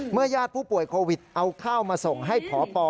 เมื่อยาดผู้ป่วยโควิดเอาข้าวมาส่งให้ผอปอ